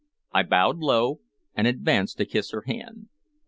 I bowed low, and advanced to kiss her hand.